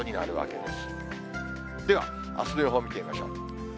では、あすの予報見てみましょう。